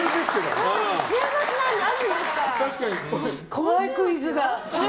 怖い、クイズが。